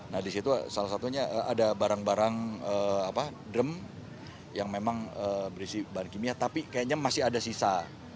nah disitu salah satunya ada barang barang drum yang memang berisi bahan kimia tapi kayaknya masih ada sisa